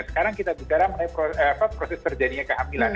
sekarang kita bicara proses terjadinya kehamilan